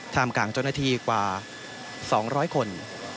ท่ามกลางจนนาทีกว่า๒๐๐คน